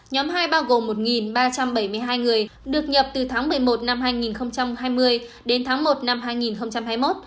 nhóm hai bao gồm một ba trăm bảy mươi hai người được nhập từ tháng một mươi một năm hai nghìn hai mươi đến tháng một năm hai nghìn hai mươi một